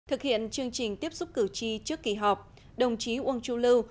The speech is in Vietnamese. thực hiện chương trình tiếp xúc cử tri trước kỳ họp đồng chí uông chu lưu